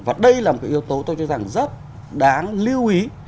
và đây là một cái yếu tố tôi cho rằng rất đáng lưu ý